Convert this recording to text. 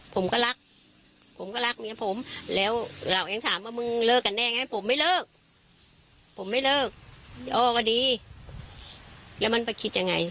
ผมก็รักผมก็รักเมียผมแล้วเราเองถามว่ามึงเลิกกันแน่ไงผมไม่เลิกผมไม่เลิกอ้อก็ดีแล้วมันไปคิดยังไง